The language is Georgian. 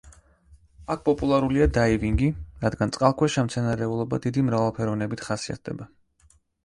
აქ პოპულარულია დაივინგი, რადგან წყალქვეშა მცენარეულობა დიდი მრავალფეროვნებით ხასიათდება.